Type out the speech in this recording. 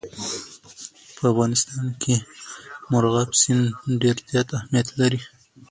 په افغانستان کې مورغاب سیند ډېر زیات اهمیت لري.